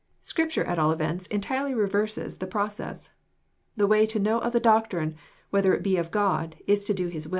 Scripture at all events entirely reverses the process. The way to know of the doctrine whether it be of God, is to do His wiU."